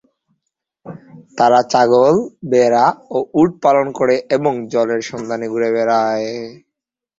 তারা ছাগল, ভেড়া, ও উট পালন করে এবং জলের সন্ধানে ঘুরে বেড়ায়।